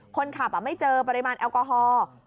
คนขับไม่เจอปริมาณแอลกอฮอล์